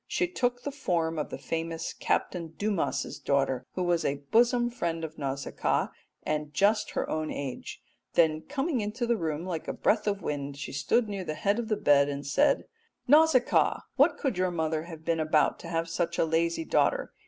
She took the form of the famous Captain Dumas's daughter, who was a bosom friend of Nausicaa and just her own age; then coming into the room like a breath of wind she stood near the head of the bed and said "'Nausicaa, what could your mother have been about to have such a lazy daughter?